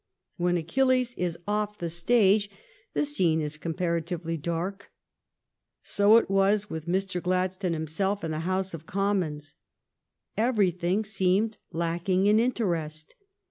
When Achilles is off the stage, the scene is comparatively dark. So it was with Mr. Gladstone himself and the House of Commons. Everything seemed lacking in interest.